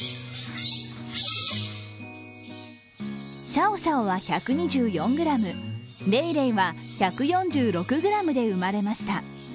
シャオシャオは１２４ｇ、レイレイは１４６ｇで生まれました。